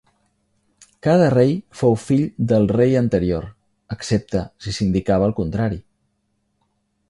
Cada rei fou fill del rei anterior, excepte si s'indicava el contrari.